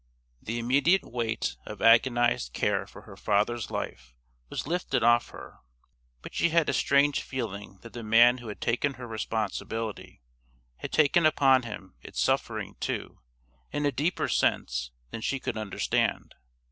The immediate weight of agonised care for her father's life was lifted off her; but she had a strange feeling that the man who had taken her responsibility had taken upon him its suffering too in a deeper sense than she could understand.